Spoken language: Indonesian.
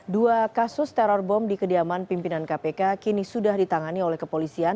dua kasus teror bom di kediaman pimpinan kpk kini sudah ditangani oleh kepolisian